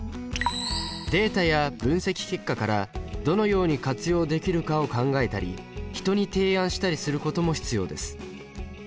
データや分析結果からどのように活用できるかを考えたり人に提案したりすることも必要です。